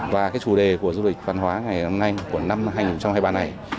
và cái chủ đề của du lịch văn hóa ngày hôm nay của năm hai nghìn hai mươi ba này